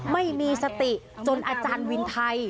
ไม่มีสติจนอาจารย์วินไทย